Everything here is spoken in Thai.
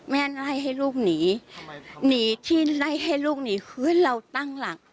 แม่ไล่ให้ลูกหนีหนีที่ไล่ให้ลูกหนีคือเราตั้งหลัก